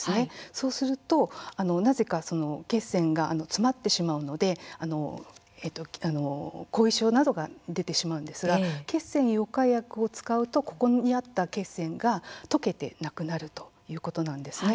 そうしますと血栓が詰まってしまうので後遺症などが出てしまうんですが血栓溶解薬を使うと血管の中にあった血栓が溶けてなくなるということです。